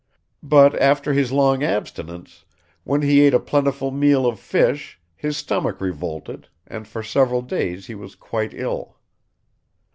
But after his long abstinence, when he ate a plentiful meal of fish his stomach revolted, and for several days he was quite ill.